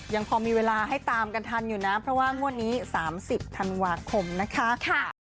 ยังพอมีเวลาให้ตามกันทันอยู่นะเพราะว่างวดนี้๓๐ธันวาคมนะคะ